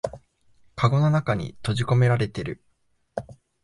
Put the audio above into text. かごの中に閉じこめられてる